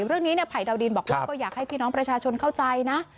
เรื่องนี้ภัยดาวดินบอกว่าก็อยากให้พี่น้องประชาชนเข้าใจนะ